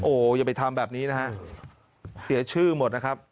โอ้โหอย่าไปทำแบบนี้นะฮะเสียชื่อหมดนะครับ